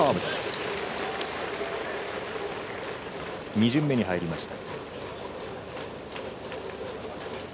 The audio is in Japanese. ２巡目に入りました。